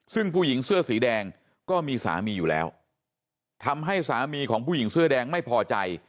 ซึ่งผู้หญิงเสื้อสีแดงก็มีสามีอยู่แล้วทำให้สามีของผู้หญิงเสื้อแดงไม่พอใจ